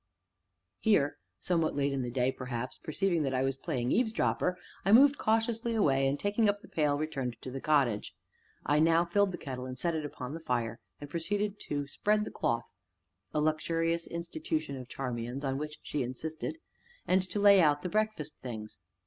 Here (somewhat late in the day, perhaps) perceiving that I was playing eavesdropper, I moved cautiously away, and taking up the pail, returned to the cottage. I now filled the kettle and set it upon the fire, and proceeded to spread the cloth (a luxurious institution of Charmian's, on which she insisted) and to lay out the breakfast things.